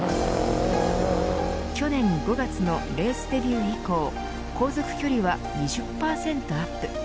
去年５月のレースデビュー以降航続距離は２０％アップ。